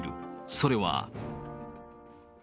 それは。